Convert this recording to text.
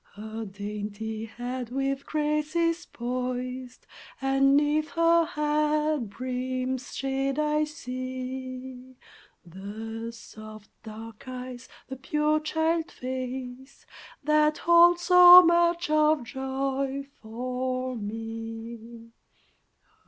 Her dainty head with grace is poised, And 'neath her hat brim's shade I see The soft, dark eyes, the pure child face That hold so much of joy for me!